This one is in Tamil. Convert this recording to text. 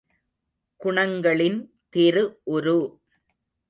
குணங்களின் திரு உரு!